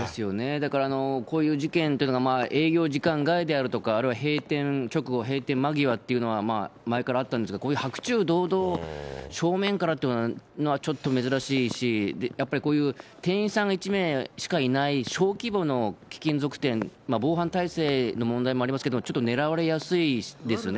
だから、こういう事件っていうのが営業時間外であるとか、あるいは閉店直後、閉店間際というのが前からあったんですが、こういう白昼堂々、正面からっていうのはちょっと珍しいし、やっぱりこういう店員さんが１名しかいない小規模の貴金属店、防犯体制の問題もありますけれども、ちょっとねらわれやすいですね。